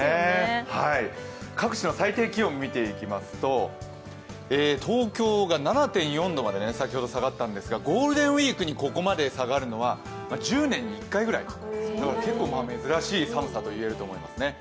各地の最低気温を見ていきますと東京が７．４度まで先ほど下がったんですがゴールデンウイークにここまで下がるのは１０年に１回ぐらい結構珍しい寒さといえると思いますね。